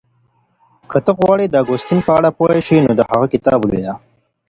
که ته غواړې د اګوستين په اړه پوه شې نو د هغه کتاب ولوله.